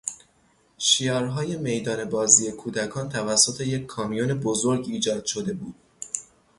شیارهای میدان بازی کودکان توسط یک کامیون بزرگ ایجاد شده بود.